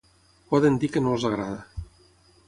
Poden dir que no els agrada.